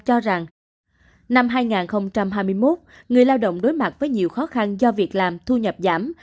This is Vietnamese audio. cho rằng năm hai nghìn hai mươi một người lao động đối mặt với nhiều khó khăn do việc làm thu nhập giảm